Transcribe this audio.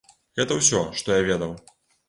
Гэта ўсе, што я ведаў.